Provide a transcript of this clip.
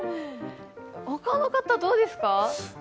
ほかの方、どうですか？